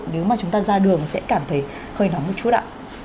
nếu mà chúng ta ra đường sẽ cảm thấy hơi nóng một chút ạ